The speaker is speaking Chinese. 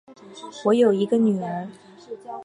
我有一个女儿